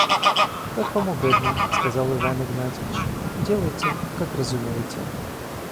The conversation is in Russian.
«Как вам угодно, – сказал Иван Игнатьич, – делайте, как разумеете.